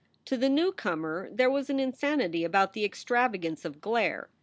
To the new comer there was an insanity about the extravagance of glare.